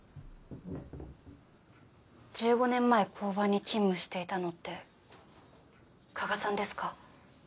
１５年前交番に勤務していたのって加賀さんですか？